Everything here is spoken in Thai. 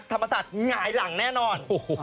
ธรรมศาสตร์หงายหลังแน่นอน